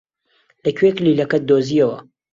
لەکوێ کلیلەکەت دۆزییەوە؟